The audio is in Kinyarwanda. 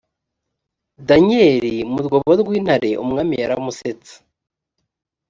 danyeli mu rwobo rw intare umwami yaramusetse